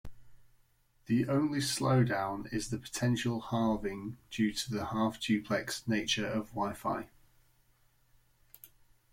The only slowdown is the potential halving due to the half-duplex nature of wifi.